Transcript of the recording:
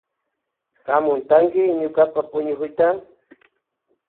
Hamutanki ñukapa huñikuyta.